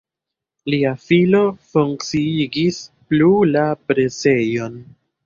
Lia filo funkciigis plu la presejon.